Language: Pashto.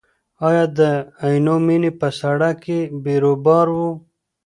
ایا د عینومېنې په سړک کې بیروبار و؟